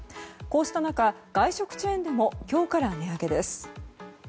こうした中、外食チェーンでも今日から値上げです。